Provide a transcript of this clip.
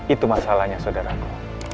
itu masalahnya saudaraku